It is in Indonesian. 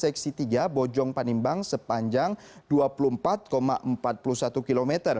seksi tiga bojong panimbang sepanjang dua puluh empat empat puluh satu km